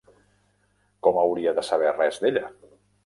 Com hauria de saber res d'ella?